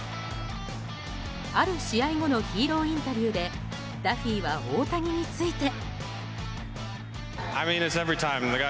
ある試合後のヒーローインタビューでダフィーは大谷について。